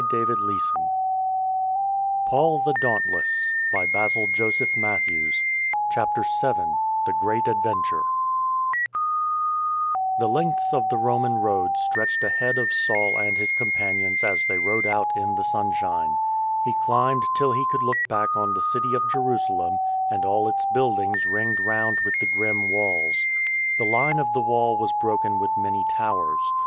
VII THE GREAT ADVENTURE THE lengths of the Roman road stretched ahead of Saul and his companions as they rode out in the sunshine. He climbed till he could look back on the City of Jerusalem, and all its buildings ringed round with the grim walls. The line of the wall was broken with many towers.